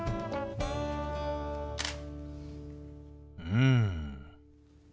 うん。